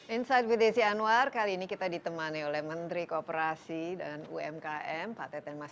insight with desi anwar kali ini kita ditemani oleh menteri kooperasi dan umkm pak teten mas